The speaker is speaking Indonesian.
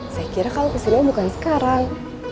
saya kira kamu kesini bukan sekarang